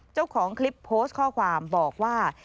เจ้าของคลิปโพสต์ข้อความบอกว่า